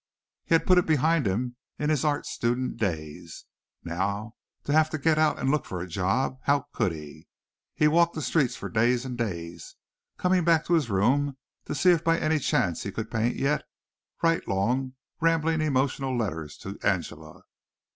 He had put it behind him in his art student days. Now to have to get out and look for a job! How could he? He walked the streets for days and days, coming back to his room to see if by any chance he could paint yet, writing long, rambling, emotional letters to Angela.